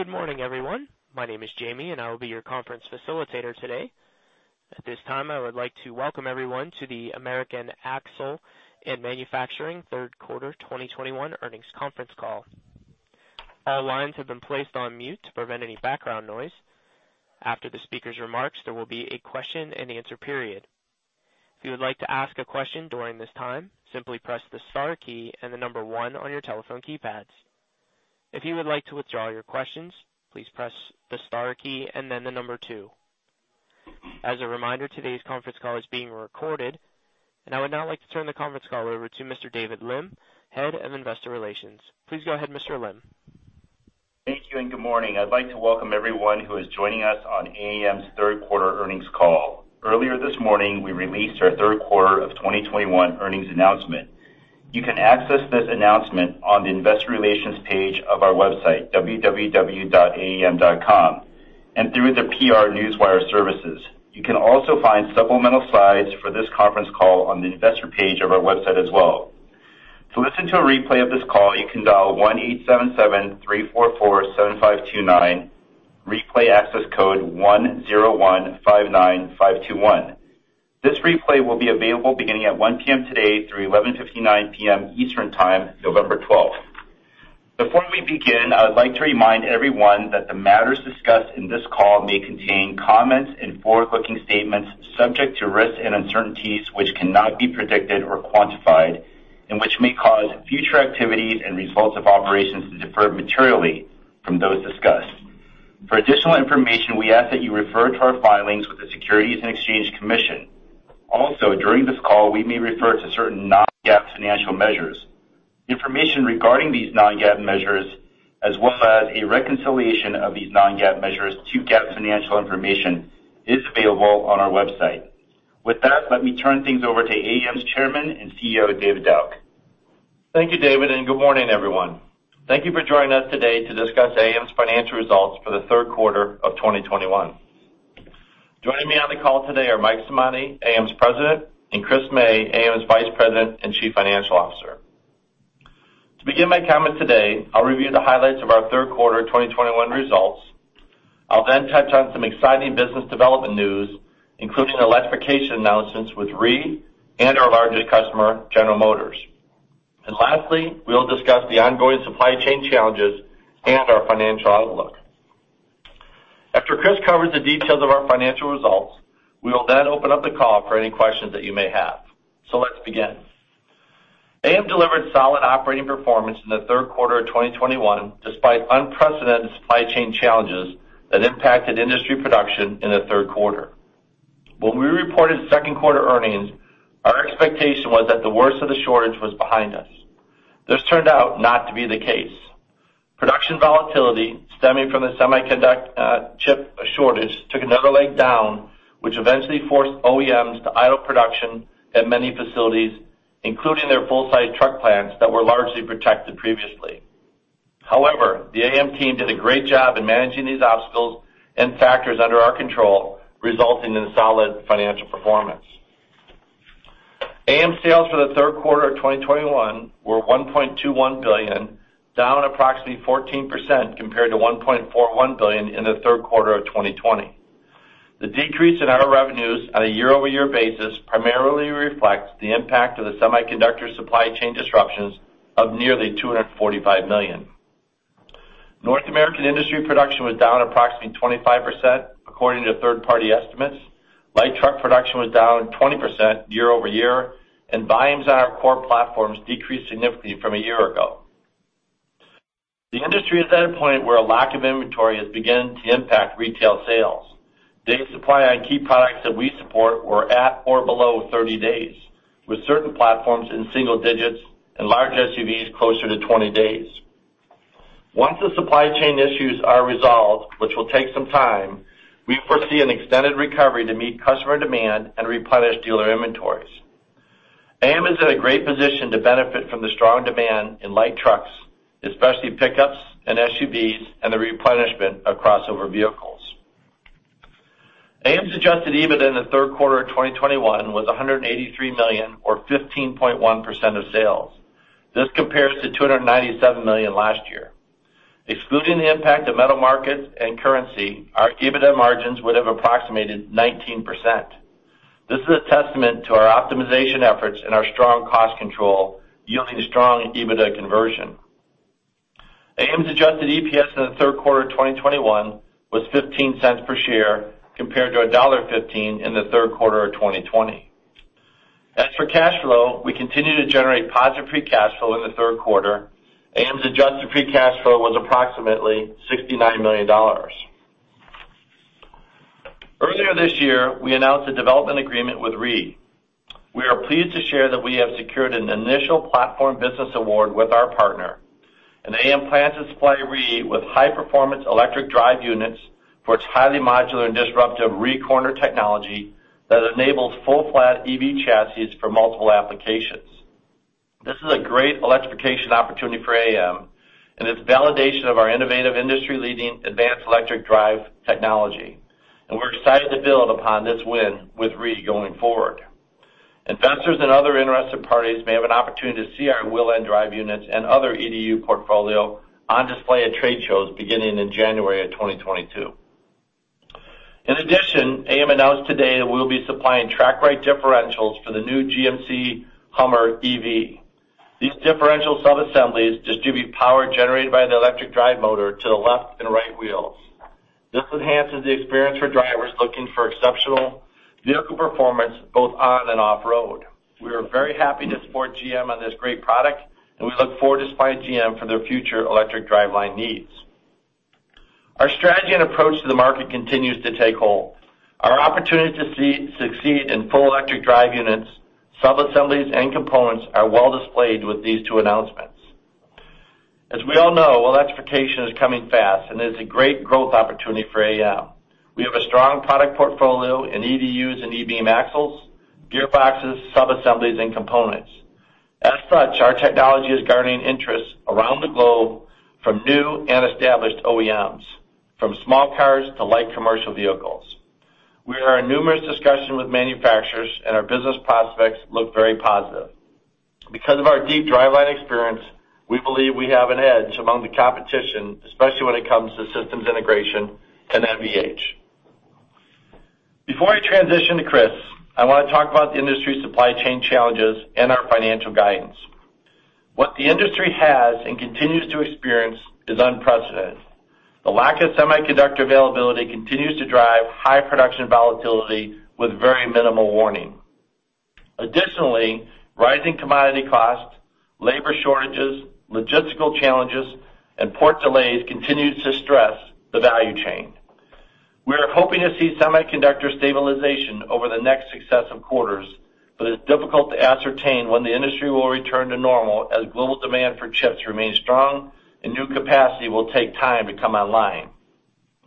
Good morning, everyone. My name is Jamie, and I will be your conference facilitator today. At this time, I would like to welcome everyone to the American Axle & Manufacturing Q3 2021 earnings conference call. All lines have been placed on mute to prevent any background noise. After the speaker's remarks, there will be a question-and-answer period. If you would like to ask a question during this time, simply press the star key and the one on your telephone keypads. If you would like to withdraw your questions, please press the star key and then the two. As a reminder, today's conference call is being recorded. I would now like to turn the conference call over to Mr. David Lim, Head of Investor Relations. Please go ahead, Mr. Lim. Thank you and good morning. I'd like to welcome everyone who is joining us on AAM's Q3 earnings call. Earlier this morning, we released our Q3 of 2021 earnings announcement. You can access this announcement on the investor relations page of our website, www.aam.com, and through the PR Newswire services. You can also find supplemental slides for this conference call on the investor page of our website as well. To listen to a replay of this call, you can dial 1-877-344-7529, replay access code 10159521. This replay will be available beginning at 1:00 P.M. today through 11:59 P.M. Eastern Time, November 12th. Before we begin, I would like to remind everyone that the matters discussed in this call may contain comments and forward-looking statements subject to risks and uncertainties, which cannot be predicted or quantified and which may cause future activities and results of operations to differ materially from those discussed. For additional information, we ask that you refer to our filings with the Securities and Exchange Commission. Also, during this call, we may refer to certain non-GAAP financial measures. Information regarding these non-GAAP measures, as well as a reconciliation of these non-GAAP measures to GAAP financial information, is available on our website. With that, let me turn things over to AAM's Chairman and CEO, David Dauch. Thank you, David, and good morning, everyone. Thank you for joining us today to discuss AAM's financial results for the Q3 of 2021. Joining me on the call today are Mike Simonte, AAM's President, and Chris May, AAM's Vice President and Chief Financial Officer. To begin my comments today, I'll review the highlights of our Q3 2021 results. I'll then touch on some exciting business development news, including electrification announcements with REE and our largest customer, General Motors. Lastly, we'll discuss the ongoing supply chain challenges and our financial outlook. After Chris covers the details of our financial results, we will then open up the call for any questions that you may have. Let's begin. AAM delivered solid operating performance in the Q3 of 2021, despite unprecedented supply chain challenges that impacted industry production in the Q3. When we reported Q2 earnings, our expectation was that the worst of the shortage was behind us. This turned out not to be the case. Production volatility stemming from the semiconductor chip shortage took another leg down, which eventually forced OEMs to idle production at many facilities, including their full size truck plants that were largely protected previously. However, the AAM team did a great job in managing these obstacles and factors under our control, resulting in a solid financial performance. AAM sales for the Q3 of 2021 were $1.21 billion, down approximately 14% compared to $1.41 billion in the Q3 of 2020. The decrease in our revenues on a year-over-year basis primarily reflects the impact of the semiconductor supply chain disruptions of nearly $245 million. North American industry production was down approximately 25% according to third-party estimates. Light truck production was down 20% year-over-year, and volumes on our core platforms decreased significantly from a year ago. The industry is at a point where a lack of inventory has begun to impact retail sales. Days supply on key products that we support were at or below 30 days, with certain platforms in single digits and large SUVs closer to 20 days. Once the supply chain issues are resolved, which will take some time, we foresee an extended recovery to meet customer demand and replenish dealer inventories. AAM is in a great position to benefit from the strong demand in light trucks, especially pickups and SUVs and the replenishment of crossover vehicles. AAM's adjusted EBITDA in the Q3 of 2021 was $183 million or 15.1% of sales. This compares to $297 million last year. Excluding the impact of metal markets and currency, our EBITDA margins would have approximated 19%. This is a testament to our optimization efforts and our strong cost control, yielding strong EBITDA conversion. AAM's adjusted EPS in the Q3 of 2021 was $0.15 per share, compared to $1.15 in the Q3 of 2020. As for cash flow, we continue to generate positive free cash flow in the Q3. AAM's adjusted free cash flow was approximately $69 million. Earlier this year, we announced a development agreement with REE. We are pleased to share that we have secured an initial platform business award with our partner. AAM plans to supply REE with high-performance electric drive units for its highly modular and disruptive REEcorner technology that enables full-flat EV chassis for multiple applications. This is a great electrification opportunity for AAM, and it's validation of our innovative industry-leading advanced electric drive technology, and we're excited to build upon this win with REE going forward. Investors and other interested parties may have an opportunity to see our wheel end drive units and other EDU portfolio on display at trade shows beginning in January 2022. In addition, AAM announced today that we'll be supplying TracRite® differentials for the new GMC HUMMER EV. These differential subassemblies distribute power generated by the electric drive motor to the left and right wheels. This enhances the experience for drivers looking for exceptional vehicle performance both on and off road. We are very happy to support GM on this great product, and we look forward to supplying GM for their future electric driveline needs. Our strategy and approach to the market continues to take hold. Our opportunity to succeed in full electric drive units, subassemblies, and components is well displayed with these two announcements. As we all know, electrification is coming fast and is a great growth opportunity for AAM. We have a strong product portfolio in EDUs and e-Beam axles, gearboxes, subassemblies and components. As such, our technology is garnering interest around the globe from new and established OEMs, from small cars to light commercial vehicles. We are in numerous discussions with manufacturers, and our business prospects look very positive. Because of our deep driveline experience, we believe we have an edge among the competition, especially when it comes to systems integration and NVH. Before I transition to Chris, I wanna talk about the industry supply chain challenges and our financial guidance. What the industry has and continues to experience is unprecedented. The lack of semiconductor availability continues to drive high production volatility with very minimal warning. Additionally, rising commodity costs, labor shortages, logistical challenges, and port delays continue to stress the value chain. We are hoping to see semiconductor stabilization over the next successive quarters, but it's difficult to ascertain when the industry will return to normal, as global demand for chips remains strong and new capacity will take time to come online.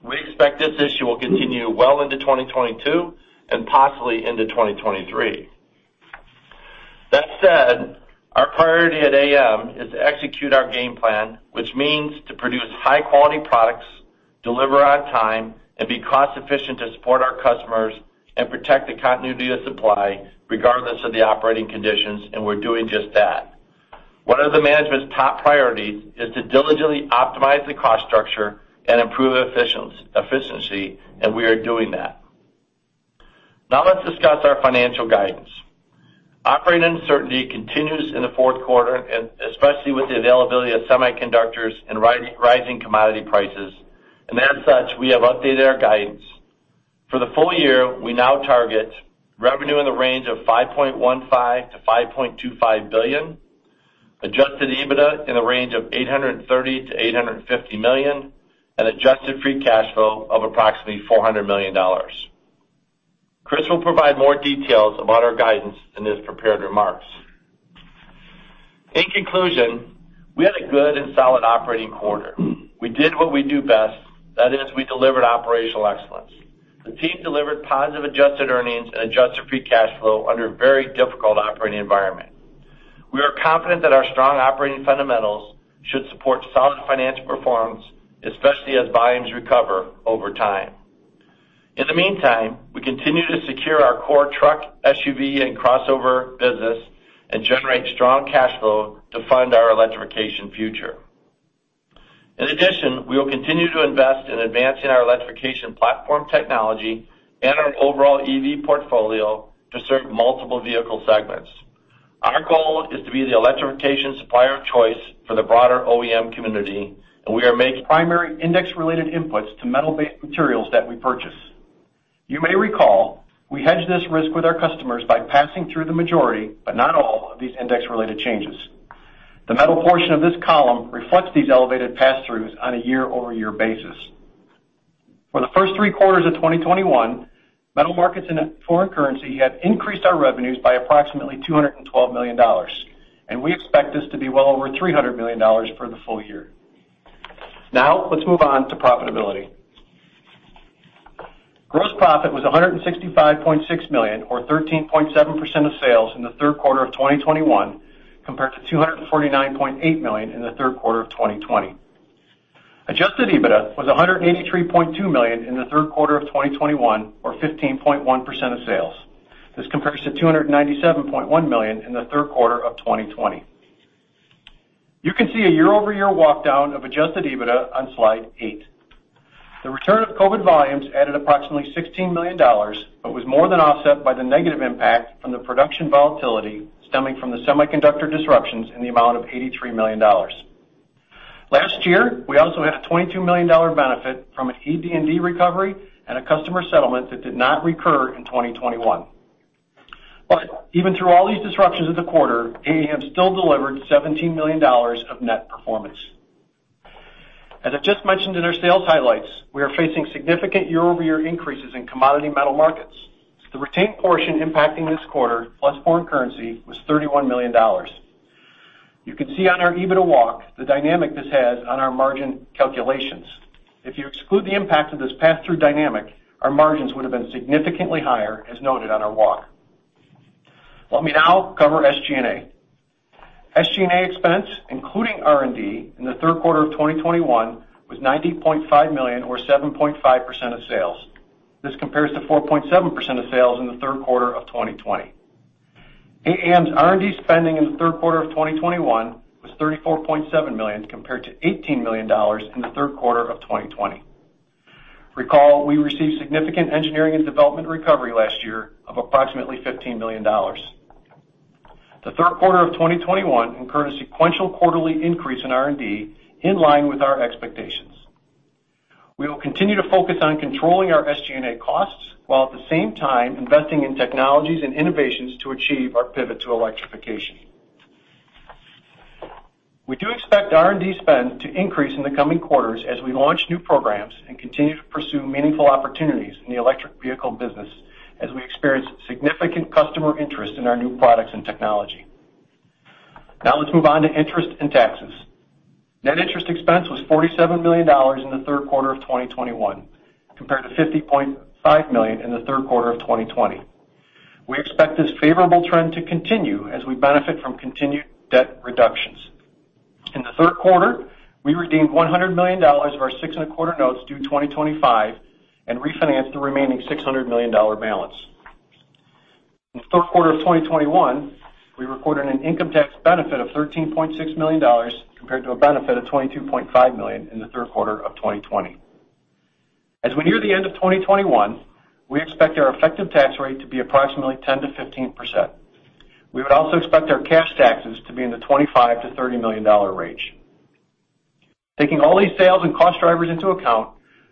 We expect this issue will continue well into 2022 and possibly into 2023. That said, our priority at AAM is to execute our game plan, which means to produce high-quality products, deliver on time, and be cost-efficient to support our customers and protect the continuity of supply regardless of the operating conditions, and we're doing just that. One of the management's top priorities is to diligently optimize the cost structure and improve efficiency, and we are doing that. Now let's discuss our financial guidance. Operating uncertainty continues in the Q4, and especially with the availability of semiconductors and rising commodity prices. As such, we have updated our guidance. For the full year, we now target revenue in the range of $5.15 billion-$5.25 billion, adjusted EBITDA in the range of $830 million-$850 million, and adjusted free cash flow of approximately $400 million. Chris will provide more details about our guidance in his prepared remarks. In conclusion, we had a good and solid operating quarter. We did what we do best, that is, we delivered operational excellence. The team delivered positive adjusted earnings and adjusted free cash flow under a very difficult operating environment. We are confident that our strong operating fundamentals should support solid financial performance, especially as volumes recover over time. In the meantime, we continue to secure our core truck, SUV, and crossover business and generate strong cash flow to fund our electrification future. In addition, we will continue to invest in advancing our electrification platform technology and our overall EV portfolio to serve multiple vehicle segments. Our goal is to be the electrification supplier of choice for the broader OEM community, and we are making primary index-related impacts to metal-based materials that we purchase. You may recall, we hedge this risk with our customers by passing through the majority, but not all, of these index-related changes. The metal portion of this column reflects these elevated passthroughs on a year-over-year basis. For the first three quarters of 2021, metal markets in a foreign currency have increased our revenues by approximately $212 million, and we expect this to be well over $300 million for the full year. Now let's move on to profitability. Gross profit was $165.6 million or 13.7% of sales in the Q3 of 2021 compared to $249.8 million in the Q3 of 2020. Adjusted EBITDA was $183.2 million in the Q3 of 2021 or 15.1% of sales. This compares to $297.1 million in the Q3 of 2020. You can see a year-over-year walk down of adjusted EBITDA on slide 8. The return of COVID volumes added approximately $16 million, but was more than offset by the negative impact from the production volatility stemming from the semiconductor disruptions in the amount of $83 million. Last year, we also had a $22 million benefit from an ED&D recovery and a customer settlement that did not recur in 2021. Even through all these disruptions of the quarter, AAM still delivered $17 million of net performance. As I've just mentioned in our sales highlights, we are facing significant year-over-year increases in commodity metal markets. The retained portion impacting this quarter plus foreign currency was $31 million. You can see on our EBITDA walk the dynamic this has on our margin calculations. If you exclude the impact of this pass-through dynamic, our margins would have been significantly higher, as noted on our walk. Let me now cover SG&A. SG&A expense, including R&D, in the Q3 of 2021 was $90.5 million or 7.5% of sales. This compares to 4.7% of sales in the Q3 of 2020. AAM's R&D spending in the Q3 of 2021 was $34.7 million, compared to $18 million in the Q3 of 2020. Recall, we received significant engineering and development recovery last year of approximately $15 million. The Q3 of 2021 incurred a sequential quarterly increase in R&D, in line with our expectations. We will continue to focus on controlling our SG&A costs, while at the same time investing in technologies and innovations to achieve our pivot to electrification. We do expect R&D spend to increase in the coming quarters as we launch new programs and continue to pursue meaningful opportunities in the electric vehicle business as we experience significant customer interest in our new products and technology. Now let's move on to interest and taxes. Net interest expense was $47 million in the Q3 of 2021, compared to $50.5 million in the Q3 of 2020. We expect this favorable trend to continue as we benefit from continued debt reductions. In the Q3, we redeemed $100 million of our 6.25% Notes due 2025 and refinanced the remaining $600 million balance. In the Q3 of 2021, we recorded an income tax benefit of $13.6 million compared to a benefit of $22.5 million in the Q3 of 2020. As we near the end of 2021, we expect our effective tax rate to be approximately 10%-15%. We would also expect our cash taxes to be in the $25 million-$30 million range. Taking all these sales and cost drivers into account,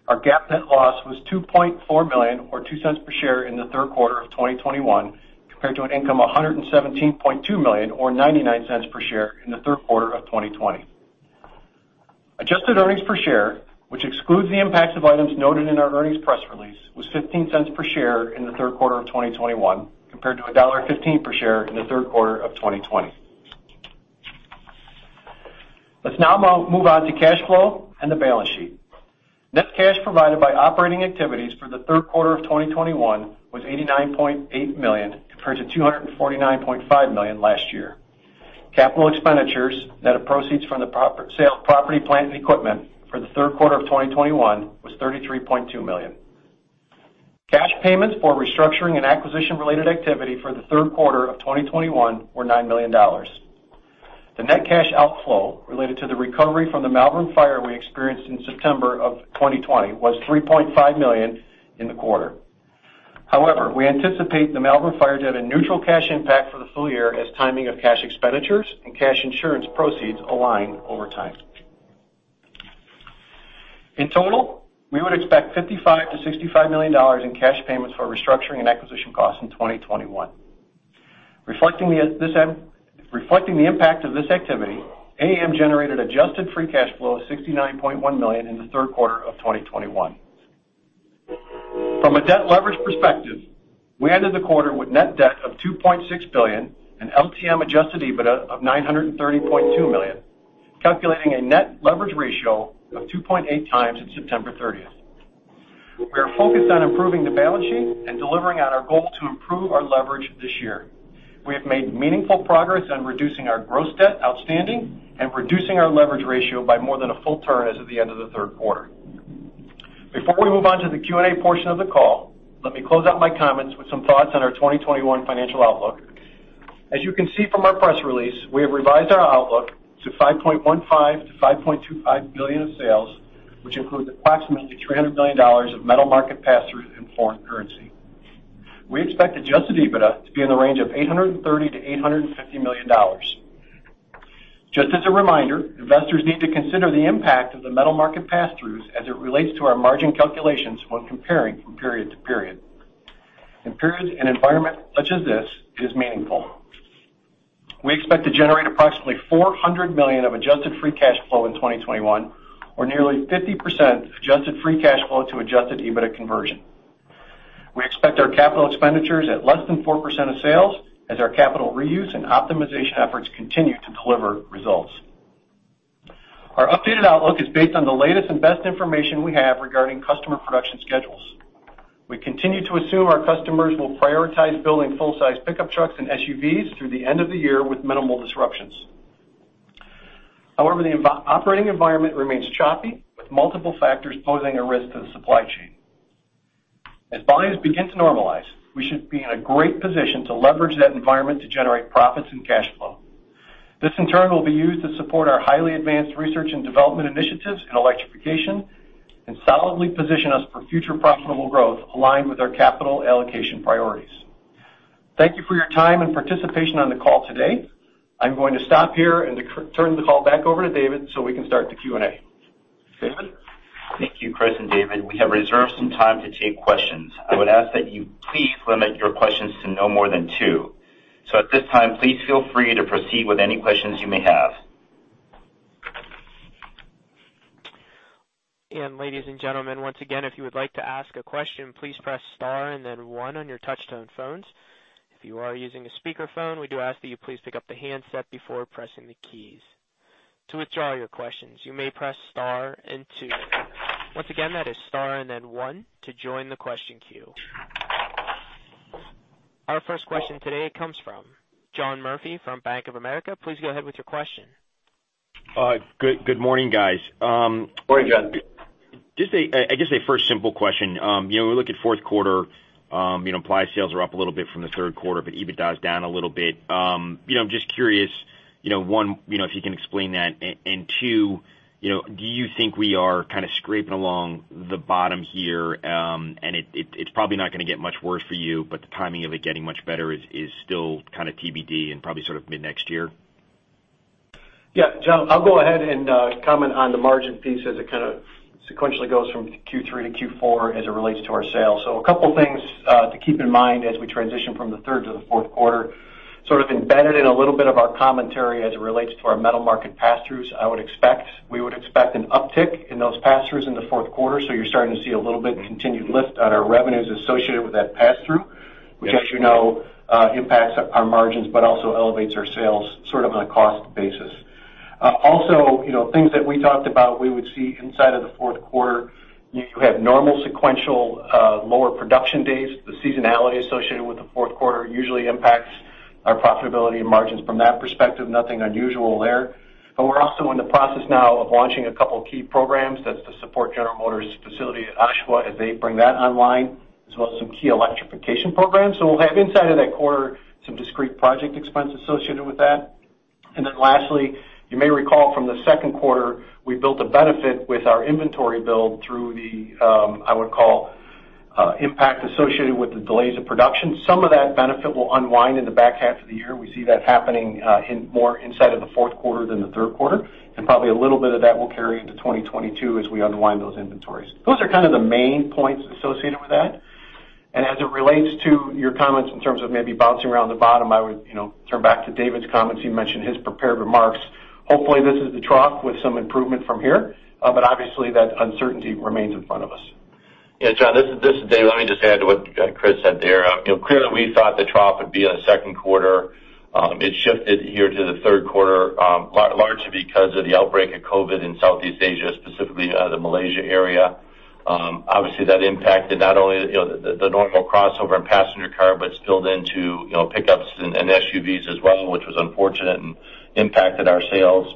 our GAAP net loss was $2.4 million or $0.02 per share in the Q3 of 2021 compared to an income $117.2 million or $0.99 per share in the Q3 of 2020. Adjusted earnings per share, which excludes the impacts of items noted in our earnings press release, was $0.15 per share in the Q3 of 2021 compared to $1.15 per share in the Q3 of 2020. Let's now move on to cash flow and the balance sheet. Net cash provided by operating activities for the Q3 of 2021 was $89.8 million compared to $249.5 million last year. Capital expenditures, net of proceeds from the sale of property, plant, and equipment for the Q3 of 2021 was $33.2 million. Cash payments for restructuring and acquisition-related activity for the Q3 of 2021 were $9 million. The net cash outflow related to the recovery from the Malvern fire we experienced in September of 2020 was $3.5 million in the quarter. However, we anticipate the Malvern fire to have a neutral cash impact for the full year as timing of cash expenditures and cash insurance proceeds align over time. In total, we would expect $55 million-$65 million in cash payments for restructuring and acquisition costs in 2021. Reflecting the impact of this activity, AAM generated adjusted free cash flow of $69.1 million in the Q3 of 2021. From a debt leverage perspective, we ended the quarter with net debt of $2.6 billion and LTM adjusted EBITDA of $930.2 million, calculating a net leverage ratio of 2.8x in September 30. We are focused on improving the balance sheet and delivering on our goal to improve our leverage this year. We have made meaningful progress on reducing our gross debt outstanding and reducing our leverage ratio by more than a full turn as of the end of the Q3. Before we move on to the Q&A portion of the call, let me close out my comments with some thoughts on our 2021 financial outlook. As you can see from our press release, we have revised our outlook to $5.15 billion-$5.25 billion of sales, which includes approximately $300 million of metal market pass-throughs in foreign currency. We expect adjusted EBITDA to be in the range of $830 million-$850 million. Just as a reminder, investors need to consider the impact of the metal market pass-throughs as it relates to our margin calculations when comparing from period to period. In periods in an environment such as this, it is meaningful. We expect to generate approximately $400 million of adjusted free cash flow in 2021, or nearly 50% adjusted free cash flow to adjusted EBITDA conversion. We expect our capital expenditures at less than 4% of sales as our capital reuse and optimization efforts continue to deliver results. Our updated outlook is based on the latest and best information we have regarding customer production schedules. We continue to assume our customers will prioritize building full-size pickup trucks and SUVs through the end of the year with minimal disruptions. However, the operating environment remains choppy, with multiple factors posing a risk to the supply chain. As volumes begin to normalize, we should be in a great position to leverage that environment to generate profits and cash flow. This, in turn, will be used to support our highly advanced research and development initiatives in electrification and solidly position us for future profitable growth aligned with our capital allocation priorities. Thank you for your time and participation on the call today. I'm going to stop here and turn the call back over to David, so we can start the Q&A. David? Thank you, Chris and David. We have reserved some time to take questions. I would ask that you please limit your questions to no more than two. At this time, please feel free to proceed with any questions you may have. Ladies and gentlemen, once again, if you would like to ask a question, please press star and then one on your touch-tone phones. If you are using a speakerphone, we do ask that you please pick up the handset before pressing the keys. To withdraw your questions, you may press star and two. Once again, that is star and then one to join the question queue. Our first question today comes from John Murphy from Bank of America. Please go ahead with your question. Good morning, guys. Morning, John. Just a first simple question, I guess. You know, we look at Q4 you know, applied sales are up a little bit from the Q3, but EBITDA's down a little bit. You know, I'm just curious, you know, one, you know, if you can explain that. Two, you know, do you think we are kind of scraping along the bottom here? It's probably not gonna get much worse for you, but the timing of it getting much better is still kind of TBD and probably sort of mid-next year. Yeah. John, I'll go ahead and comment on the margin piece as it kind of sequentially goes from Q3 to Q4 as it relates to our sales. A couple things to keep in mind as we transition from the third to the Q4, sort of embedded in a little bit of our commentary as it relates to our metal market pass-throughs. I would expect, we would expect an uptick in those pass-throughs in the Q4 so you're starting to see a little bit continued lift on our revenues associated with that pass-through, which, as you know, impacts our margins but also elevates our sales sort of on a cost basis. Also, you know, things that we talked about we would see inside of the Q4, you have normal sequential lower production days. The seasonality associated with the Q4 usually impacts our profitability and margins from that perspective. Nothing unusual there. We're also in the process now of launching a couple key programs that's to support General Motors' facility at Oshawa as they bring that online, as well as some key electrification programs. We'll have inside of that quarter some discrete project expense associated with that. Lastly, you may recall from the Q2, we built a benefit with our inventory build through the, I would call, impact associated with the delays of production. Some of that benefit will unwind in the back half of the year. We see that happening, in more inside of the Q4 than the Q3, and probably a little bit of that will carry into 2022 as we unwind those inventories. Those are kind of the main points associated with that. As it relates to your comments in terms of maybe bouncing around the bottom, I would, you know, turn back to David's comments. He mentioned his prepared remarks. Hopefully, this is the trough with some improvement from here, but obviously that uncertainty remains in front of us. Yeah. John, this is Dave. Let me just add to what Chris said there. You know, clearly we thought the trough would be in theQ2. It shifted here to the Q3, largely because of the outbreak of COVID in Southeast Asia, specifically the Malaysia area. Obviously, that impacted not only you know the normal crossover and passenger car, but spilled into you know pickups and SUVs as well, which was unfortunate and impacted our sales.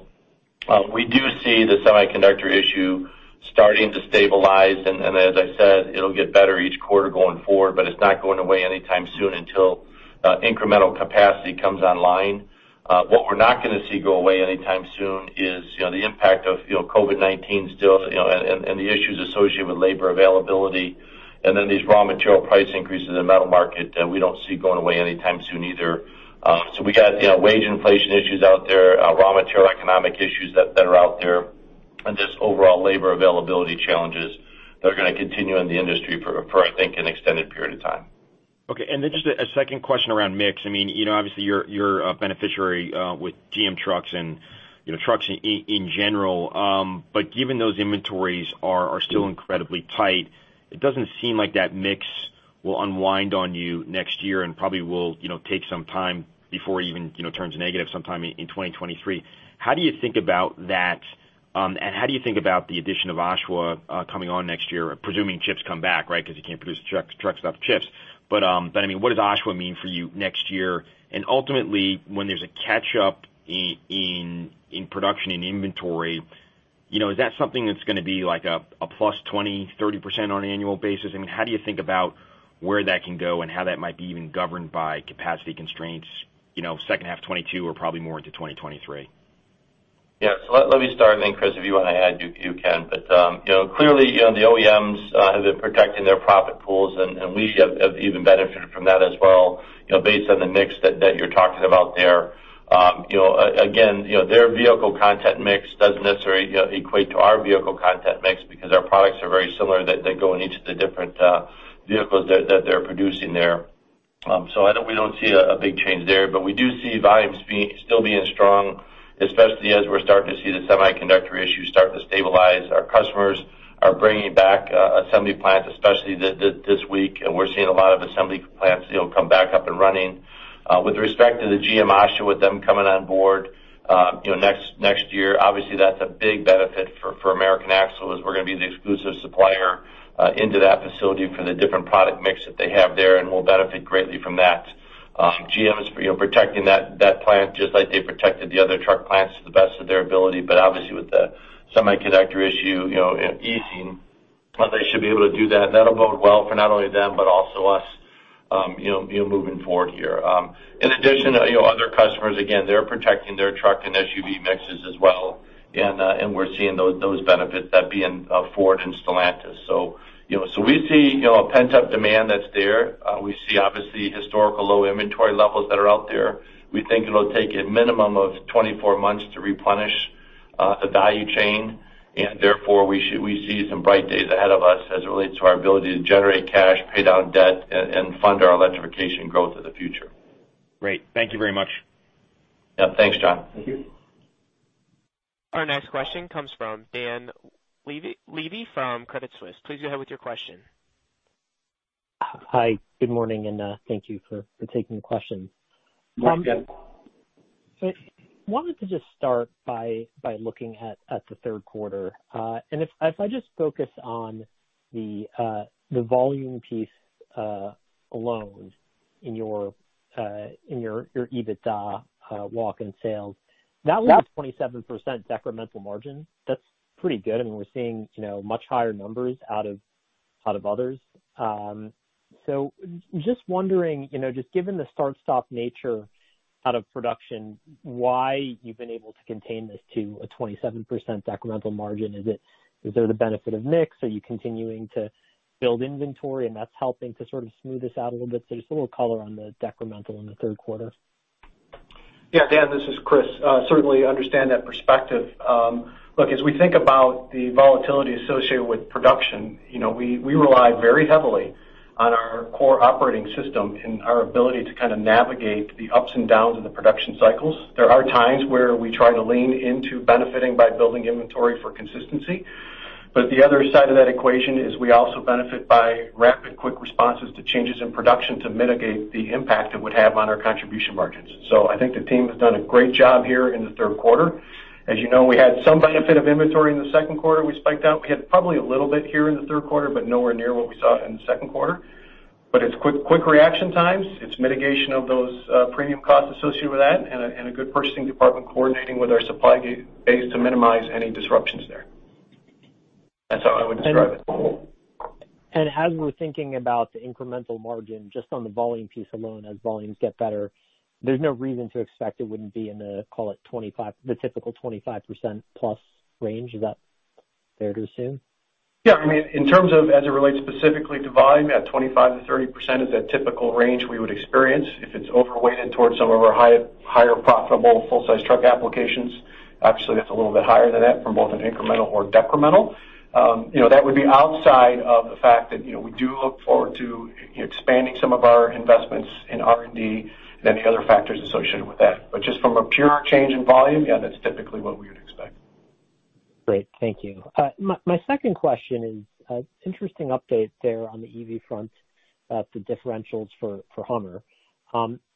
We do see the semiconductor issue starting to stabilize and as I said, it'll get better each quarter going forward, but it's not going away anytime soon until incremental capacity comes online. What we're not gonna see go away anytime soon is, you know, the impact of, you know, COVID-19 still, you know, and the issues associated with labor availability, and then these raw material price increases in the metal market, we don't see going away anytime soon either so we got, you know, wage inflation issues out there, raw material economic issues that are out there, and just overall labor availability challenges that are gonna continue in the industry for, I think, an extended period of time. Okay. Just a second question around mix. I mean, you know, obviously you're a beneficiary with GM trucks and, you know, trucks in general. Given those inventories are still incredibly tight, it doesn't seem like that mix will unwind on you next year and probably will, you know, take some time before even, you know, turns negative sometime in 2023. How do you think about that? How do you think about the addition of Oshawa coming on next year, presuming chips come back, right? 'Cause you can't produce trucks without the chips. I mean, what does Oshawa mean for you next year? Ultimately, when there's a catch up in production and inventory, you know, is that something that's gonna be like a +20%, 30% on an annual basis? I mean, how do you think about where that can go and how that might be even governed by capacity constraints, you know, second half 2022 or probably more into 2023? Yeah. Let me start, and then Chris, if you wanna add, you can. You know, clearly, you know, the OEMs have been protecting their profit pools, and we have even benefited from that as well, you know, based on the mix that you're talking about there. You know, again, you know, their vehicle content mix doesn't necessarily, you know, equate to our vehicle content mix because our products are very similar that they go in each of the different vehicles that they're producing there. We don't see a big change there, but we do see volumes still being strong, especially as we're starting to see the semiconductor issue start to stabilize. Our customers are bringing back assembly plants, especially this week, and we're seeing a lot of assembly plants, you know, come back up and running. With respect to the GM Oshawa, them coming on board, you know, next year, obviously that's a big benefit for American Axle as we're gonna be the exclusive supplier into that facility for the different product mix that they have there, and we'll benefit greatly from that. GM is, you know, protecting that plant just like they protected the other truck plants to the best of their ability. Obviously, with the semiconductor issue, you know, easing, they should be able to do that. That'll bode well for not only them, but also us, you know, moving forward here. In addition, you know, other customers, again, they're protecting their truck and SUV mixes as well, and we're seeing those benefits, that being Ford and Stellantis. You know, so we see a pent-up demand that's there. We see obviously historical low inventory levels that are out there. We think it'll take a minimum of 24 months to replenish the value chain, and therefore we see some bright days ahead of us as it relates to our ability to generate cash, pay down debt, and fund our electrification growth of the future. Great. Thank you very much. Yeah. Thanks, John. Thank you. Our next question comes from Dan Levy from Credit Suisse. Please go ahead with your question. Hi. Good morning, and thank you for taking the question. Yes. I wanted to just start by looking at the Q3. If I just focus on the volume piece alone in your EBITDA walk and sales. Yeah. That was a 27% decremental margin. That's pretty good. I mean, we're seeing, you know, much higher numbers out of others so just wondering, you know, just given the start stop nature out of production, why you've been able to contain this to a 27% decremental margin? Is there the benefit of mix? Are you continuing to build inventory and that's helping to sort of smooth this out a little bit? Just a little color on the decremental in the Q3. Yeah. Dan, this is Chris. Certainly understand that perspective. Look, as we think about the volatility associated with production, you know, we rely very heavily on our core operating system and our ability to kind of navigate the ups and downs of the production cycles. There are times where we try to lean into benefiting by building inventory for consistency. The other side of that equation is we also benefit by rapid quick responses to changes in production to mitigate the impact it would have on our contribution margins. I think the team has done a great job here in the Q3. As you know, we had some benefit of inventory in the Q2 we spiked out. We had probably a little bit here in the Q3, but nowhere near what we saw in the Q2. It's quick reaction times. It's mitigation of those premium costs associated with that and a good purchasing department coordinating with our supply base to minimize any disruptions there. That's how I would describe it. As we're thinking about the incremental margin, just on the volume piece alone, as volumes get better, there's no reason to expect it wouldn't be in the, call it 25, the typical 25% plus range. Is that fair to assume? Yeah. I mean, in terms of as it relates specifically to volume, yeah, 25%-30% is that typical range we would experience. If it's overweighted towards some of our higher profitable full size truck applications, obviously that's a little bit higher than that from both an incremental or decremental. You know, that would be outside of the fact that, you know, we do look forward to expanding some of our investments in R&D and any other factors associated with that. Just from a pure change in volume, yeah, that's typically what we would expect. Great. Thank you. My second question is an interesting update there on the EV front, the differentials for Hummer.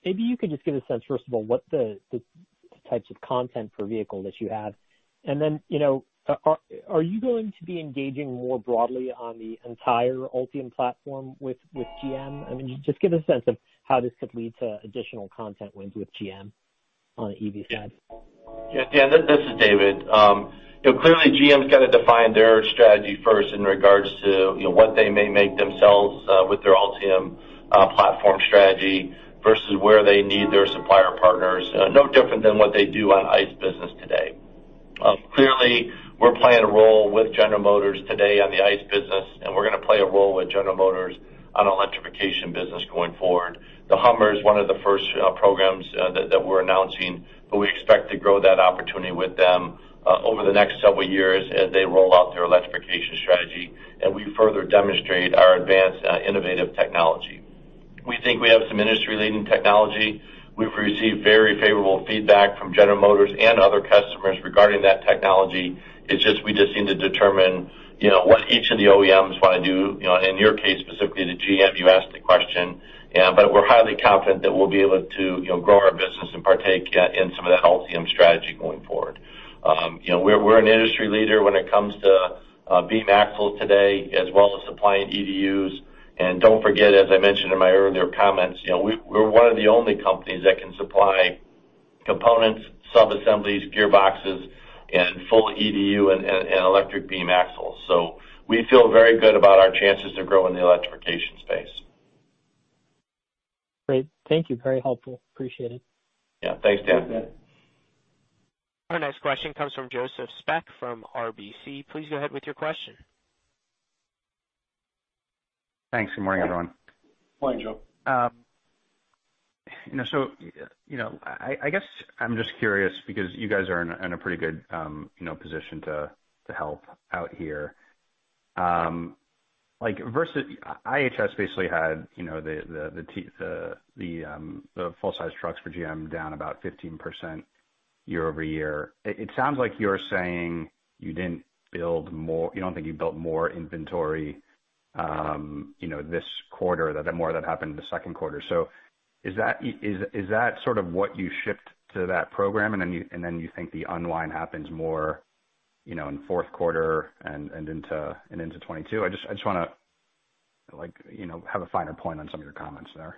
Maybe you could just give a sense, first of all, what types of content per vehicle that you have. You know, are you going to be engaging more broadly on the entire Ultium platform with GM? I mean, just give a sense of how this could lead to additional content wins with GM on the EV side. Yeah. Dan, this is David. You know, clearly GM's got to define their strategy first in regards to, you know, what they may make themselves, with their Ultium platform strategy versus where they need their supplier partners. No different than what they do on ICE business today. Clearly, we're playing a role with General Motors today on the ICE business, and we're gonna play a role with General Motors on electrification business going forward. The HUMMER is one of the first programs that we're announcing, but we expect to grow that opportunity with them over the next several years as they roll out their electrification strategy, and we further demonstrate our advanced innovative technology. We think we have some industry-leading technology. We've received very favorable feedback from General Motors and other customers regarding that technology. It's just, we just need to determine, you know, what each of the OEMs wanna do. You know, in your case, specifically the GM, you asked the question. But we're highly confident that we'll be able to, you know, grow our business and partake in some of the Ultium strategy going forward. You know, we're an industry leader when it comes to beam axle today, as well as supplying EDUs. Don't forget, as I mentioned in my earlier comments, you know, we're one of the only companies that can supply components, sub assemblies, gearboxes, and full EDU and electric beam axles. We feel very good about our chances to grow in the electrification space. Great. Thank you. Very helpful. Appreciate it. Yeah. Thanks, Dan. Thanks, Dan. Our next question comes from Joseph Spak from RBC. Please go ahead with your question. Thanks. Good morning, everyone. Morning, Joe. You know, so, you know, I guess I'm just curious because you guys are in a pretty good, you know, position to help out here. Like, versus IHS basically had, you know, the full size trucks for GM down about 15% year-over-year. It sounds like you're saying you don't think you built more inventory, you know, this quarter, that more of that happened in the Q2. Is that sort of what you shipped to that program, and then you think the unwind happens more, you know, in Q4 and into 2022? I just wanna, like, you know, have a finer point on some of your comments there.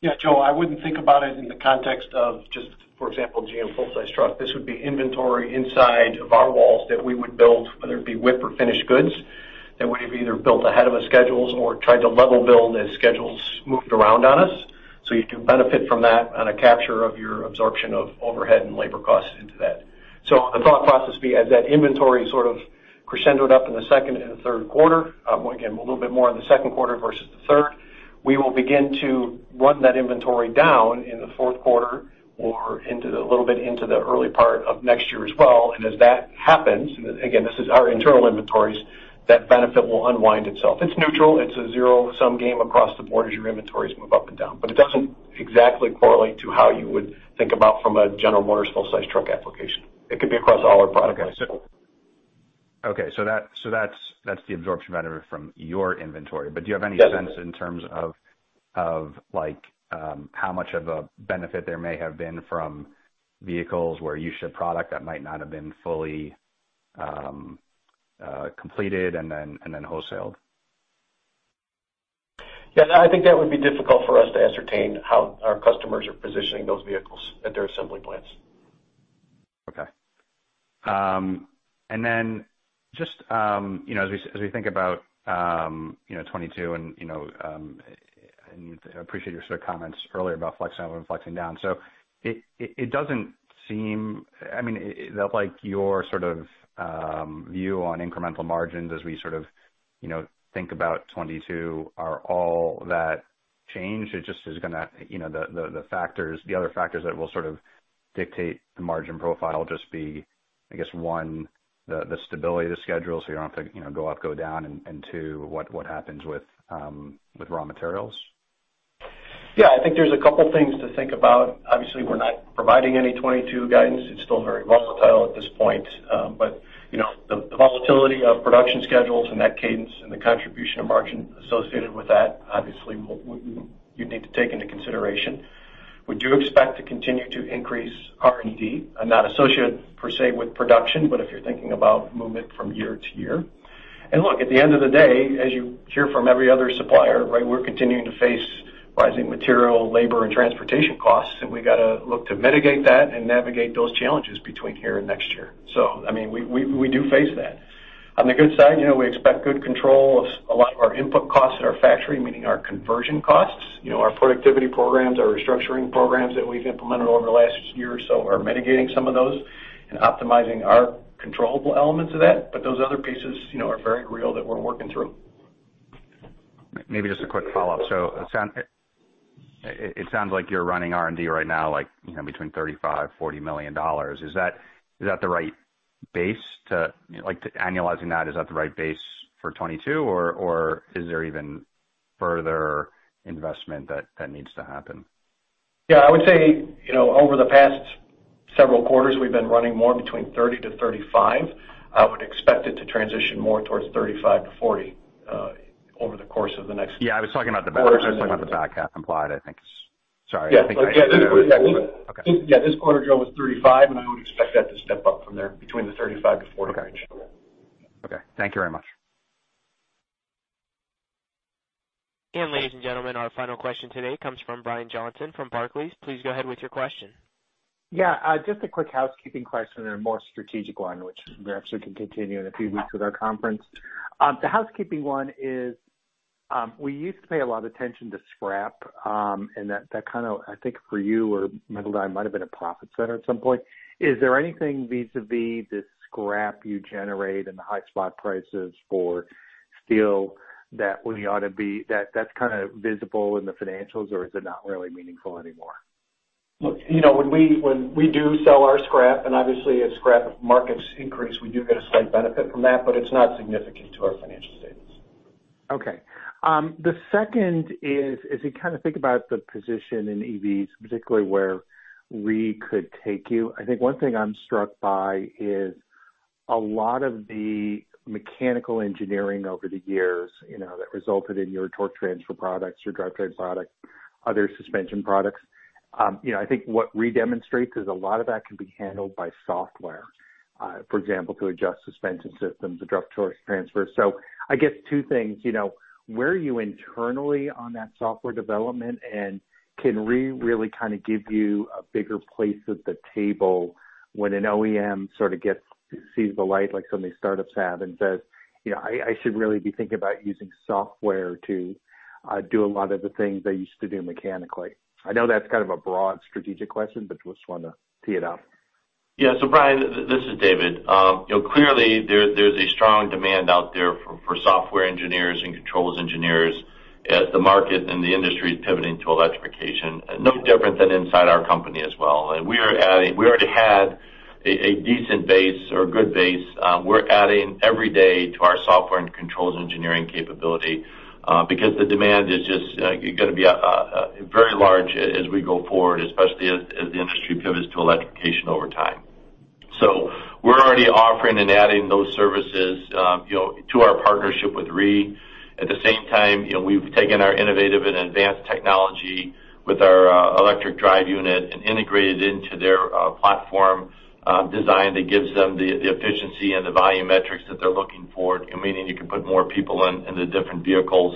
Yeah. Joe, I wouldn't think about it in the context of just, for example, GM full-size truck. This would be inventory inside of our walls that we would build, whether it be WIP or finished goods, that we've either built ahead of a schedules or tried to level build as schedules moved around on us. You can benefit from that on a capture of your absorption of overhead and labor costs into that. The thought process being as that inventory sort of crescendoed up in the second and Q3, again, a little bit more in the Q2 versus the third, we will begin to run that inventory down in the Q4 or into the, a little bit into the early part of next year as well. As that happens, again, this is our internal inventories, that benefit will unwind itself. It's neutral. It's a zero-sum game across the board as your inventories move up and down. It doesn't exactly correlate to how you would think about from a General Motors full-size truck application. It could be across all our product, I said. That's the absorption benefit from your inventory. Do you have any sense in terms of like how much of a benefit there may have been from vehicles where you ship product that might not have been fully completed and then wholesaled? Yeah, I think that would be difficult for us to ascertain how our customers are positioning those vehicles at their assembly plants. Okay. Then just, you know, as we think about 2022 and, you know, appreciate your sort of comments earlier about flexing up and flexing down. It doesn't seem. I mean, like your sort of view on incremental margins as we sort of, you know, think about 2022, are all that changed? It just is gonna, you know, the factors, the other factors that will sort of dictate the margin profile just be, I guess, one, the stability of the schedule, so you don't have to, you know, go up, go down? Two, what happens with raw materials? Yeah. I think there's a couple things to think about. Obviously, we're not providing any 2022 guidance. It's still very volatile at this point. But, you know, the volatility of production schedules and that cadence and the contribution of margin associated with that, obviously you'd need to take into consideration. We do expect to continue to increase R&D, and not associated per se with production, but if you're thinking about movement from year to year. Look, at the end of the day, as you hear from every other supplier, right, we're continuing to face rising material, labor, and transportation costs, and we gotta look to mitigate that and navigate those challenges between here and next year. I mean, we do face that. On the good side, you know, we expect good control of a lot of our input costs at our factory, meaning our conversion costs. You know, our productivity programs, our restructuring programs that we've implemented over the last year or so are mitigating some of those and optimizing our controllable elements of that. Those other pieces, you know, are very real that we're working through. Maybe just a quick follow-up. It sounds like you're running R&D right now, like between $35 million-$40 million. Is that the right base like annualizing that, is that the right base for 2022, or is there even further investment that needs to happen? Yeah, I would say, you know, over the past several quarters, we've been running more between 30-35. I would expect it to transition more towards 35-40 over the course of the next year. Yeah, I was talking about the back. I was talking about the back half implied, I think. Sorry. Yeah, this quarter growth was 35%, and I would expect that to step up from there between the 35%-40% range. Okay. Thank you very much. Ladies and gentlemen, our final question today comes from Brian Johnson from Barclays. Please go ahead with your question. Yeah, just a quick housekeeping question and a more strategic one, which perhaps we can continue in a few weeks with our conference. The housekeeping one is, we used to pay a lot of attention to scrap, and that kind of, I think for you or Metaldyne might have been a profit center at some point. Is there anything vis-a-vis the scrap you generate and the high spot prices for steel that's kind of visible in the financials, or is it not really meaningful anymore? Look, you know, when we do sell our scrap, and obviously if scrap markets increase, we do get a slight benefit from that, but it's not significant to our financial statements. Okay. The second is, as you kind of think about the position in EVs, particularly where we could take you, I think one thing I'm struck by is a lot of the mechanical engineering over the years, you know, that resulted in your torque transfer products, your drivetrain products, other suspension products. You know, I think what we demonstrate is a lot of that can be handled by software, for example, to adjust suspension systems, the drive torque transfer. I guess two things, you know, where are you internally on that software development? Can we really kind of give you a bigger place at the table when an OEM sort of sees the light like some of these startups have and says, "You know, I should really be thinking about using software to do a lot of the things I used to do mechanically." I know that's kind of a broad strategic question, but just wanna tee it up? Yeah. Brian, this is David. You know, clearly there's a strong demand out there for software engineers and controls engineers as the market and the industry is pivoting to electrification. No different than inside our company as well. We already had a decent base or a good base, we're adding every day to our software and controls engineering capability because the demand is just very large as we go forward, especially as the industry pivots to electrification over time. We're already offering and adding those services, you know, to our partnership with REE. At the same time, you know, we've taken our innovative and advanced technology with our electric drive unit and integrated into their platform design that gives them the efficiency and the volumetrics that they're looking for, meaning you can put more people in the different vehicles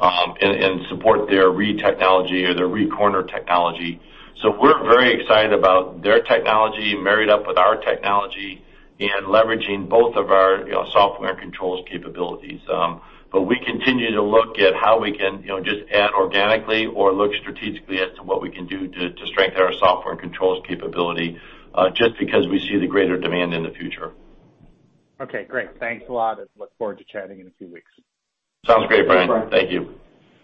and support their REE technology or their REEcorner technology. We're very excited about their technology married up with our technology and leveraging both of our software and controls capabilities. We continue to look at how we can just add organically or look strategically as to what we can do to strengthen our software and controls capability just because we see the greater demand in the future. Okay, great. Thanks a lot, and look forward to chatting in a few weeks. Sounds great, Brian. Thank you.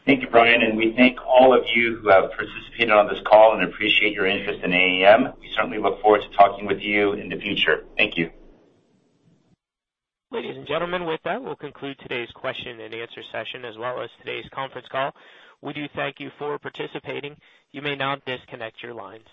Thank you, Brian, and we thank all of you who have participated on this call and appreciate your interest in AAM. We certainly look forward to talking with you in the future. Thank you. Ladies and gentlemen, with that, we'll conclude today's question and answer session, as well as today's conference call. We do thank you for participating. You may now disconnect your lines.